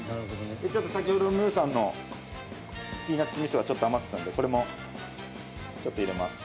ちょっと先ほどムーさんのピーナッツ味噌がちょっと余ってたんでこれもちょっと入れます。